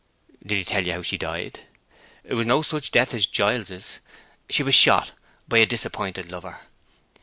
"Did he tell you how she died? It was no such death as Giles's. She was shot—by a disappointed lover.